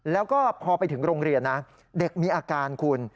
แล้วก็พอไปถึงโรงเรียนนะเด็กมีอาการคุณ